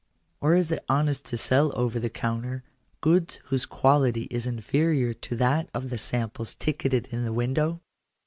Or is it honest to sell over the counter, goods whose quality is inferior to that of the samples ticketed in the window